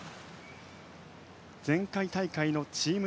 前回大会のチーム